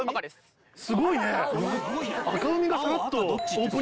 すごいね。